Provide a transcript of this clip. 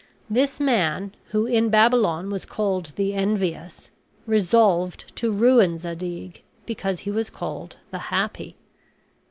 This man, who in Babylon was called the Envious, resolved to ruin Zadig because he was called the Happy.